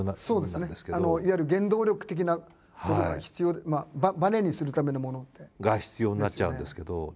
そうですね。いわゆる原動力的なものが必要でバネにするためのものみたいな。が必要になっちゃうんですけど。